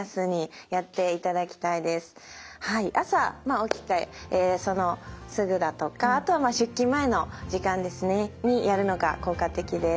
朝起きてすぐだとかあとは出勤前の時間ですねにやるのが効果的です。